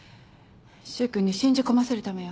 柊君に信じ込ませるためよ。